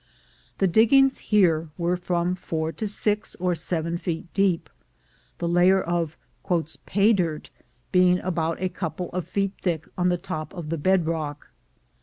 The diggings here were from four to six or seven feet deep; the layer of "pa3^ dirt" being about a couple of feet thick on the top of the bed rock.